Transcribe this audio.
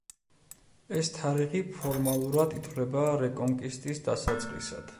ეს თარიღი ფორმალურად ითვლება რეკონკისტის დასაწყისად.